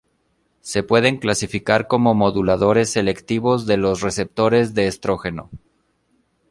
Se pueden clasificar como moduladores selectivos de los receptores de estrógeno.